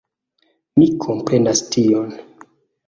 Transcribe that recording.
Mi komprenas tion.